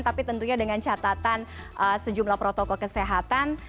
tapi tentunya dengan catatan sejumlah protokol kesehatan